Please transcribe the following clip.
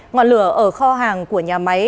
ngoạn lửa ở kho hàng của nhà máy